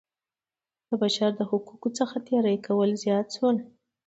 د بشر د حقونو څخه تېری کول زیات شول.